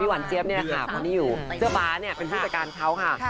พี่หวันเจี๊ยบเนี่ยค่ะเพราะว่านี่อยู่เสื้อบ๊าเนี่ยเป็นพิจารการเขาค่ะ